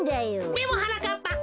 でもはなかっぱ